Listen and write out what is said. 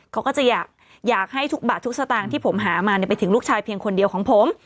เขาก็จะอยากให้ทุกบาททุกสตางค์ที่ผมหามาไปถึงลูกชายเพียงคนเดียวของผม